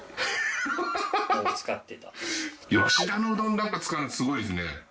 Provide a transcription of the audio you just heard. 吉田のうどん使うのすごいですね。